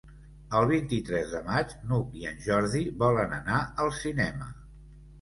El vint-i-tres de maig n'Hug i en Jordi volen anar al cinema.